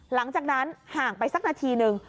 หลังจากนั้นห่างไปสักนาทีนึง